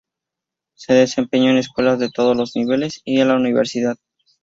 Se desempeñó en escuelas de todos los niveles y en la Universidad.